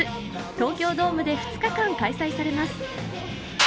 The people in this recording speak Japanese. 東京ドームで２日間開催されます。